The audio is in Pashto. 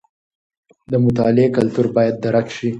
د مطالعې کلتور باید درک شي.